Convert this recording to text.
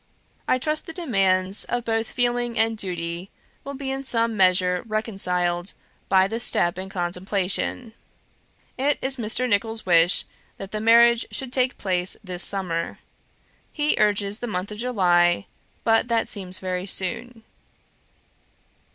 I trust the demands of both feeling and duty will be in some measure reconciled by the step in contemplation. It is Mr. Nicholls' wish that the marriage should take place this summer; he urges the month of July, but that seems very soon.